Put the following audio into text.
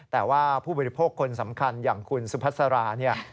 แต่ว่าผู้บริโภคคนสำคัญอย่างคุณสุพัสราเนี่ย